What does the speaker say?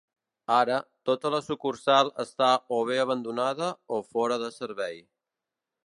Ara, tota la sucursal està o bé abandonada o fora de servei.